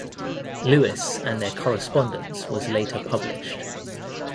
Lewis and their correspondence was later published.